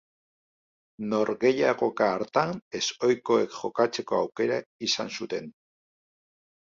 Norgehiagoka hartan ezohikoek jokatzeko aukera izan zuten.